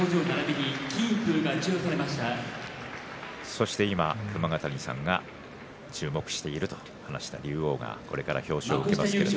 そして熊ヶ谷さんが注目していると話した龍王がこれから表彰を受けます。